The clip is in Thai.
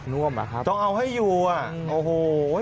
ว่มเหรอครับต้องเอาให้อยู่อ่ะโอ้โห